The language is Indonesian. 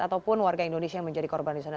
ataupun warga indonesia yang menjadi korban di sana